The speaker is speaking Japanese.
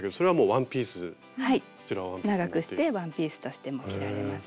長くしてワンピースとしても着られます。